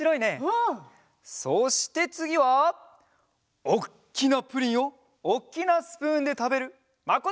そしてつぎはおっきなプリンをおっきなスプーンでたべるまことおにいさんです！